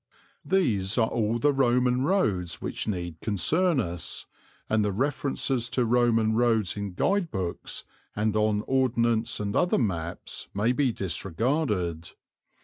These are all the Roman roads which need concern us, and the references to Roman roads in guide books and on Ordnance and other maps may be disregarded.